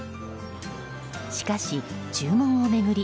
しかし、注文を巡り